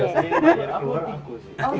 harus balik balik gitu